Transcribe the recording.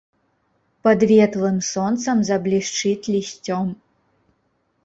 Пад ветлым сонцам заблішчыць лісцём.